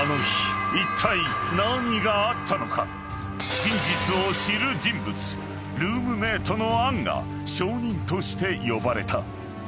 ［真実を知る人物ルームメートの杏が証人として呼ばれた］